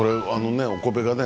お米がね